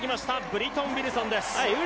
ブリトン・ウィルソンです。